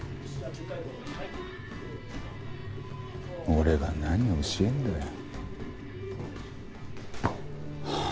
俺が何を教えるんだよ。